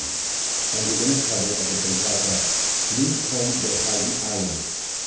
On the inner cover of the cantate Nun komm d&r Heiden Heiland (No.